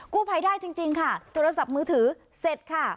กู้ภัยได้จริงค่ะโทรศัพท์มือถือเสร็จค่ะ